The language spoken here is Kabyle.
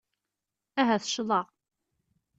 Ahat ccḍeɣ.